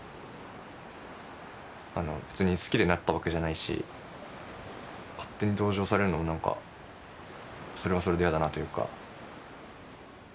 別に好きでなったわけじゃないし勝手に同情されるのもなんかそれはそれで嫌だなというか。